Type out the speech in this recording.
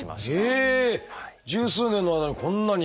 十数年の間にこんなに？